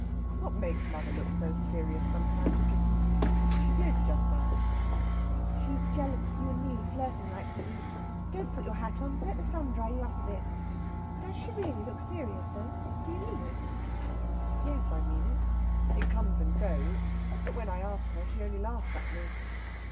"What makes mother look so serious sometimes, kitten? She did just now." "She's jealous of you and me flirting like we do. Don't put your hat on; let the sun dry you up a bit. Does she really look serious though? Do you mean it?" "Yes, I mean it. It comes and goes. But when I ask her she only laughs at me."